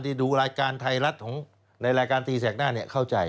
ดูรายการไทยรัฐของในรายการตีแสกหน้าเข้าใจ